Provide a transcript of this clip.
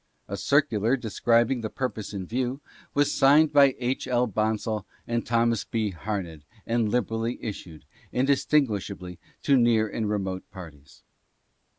A circular, describing the purpose in view, was signed by H. L. Bonsall and Thomas B. Harned, and liberally issued, indistin guishably to near and remote parties.